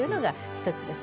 １つですね。